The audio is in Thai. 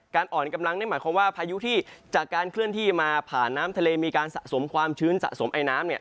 อ่อนกำลังนั่นหมายความว่าพายุที่จากการเคลื่อนที่มาผ่านน้ำทะเลมีการสะสมความชื้นสะสมไอน้ำเนี่ย